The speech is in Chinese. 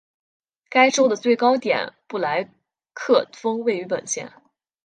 该州的最高点布莱克峰位于本县。